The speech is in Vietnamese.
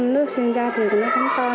lúc sinh ra thì nó cắn con